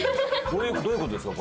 どういう事ですか？